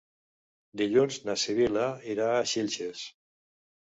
Dilluns na Sibil·la irà a Xilxes.